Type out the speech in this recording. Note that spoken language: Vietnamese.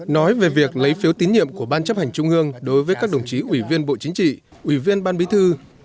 nói về việc lấy phiếu tín nhiệm của ban chấp hành trung ương đối với các đồng chí ủy viên bộ chính trị ủy viên ban bí thư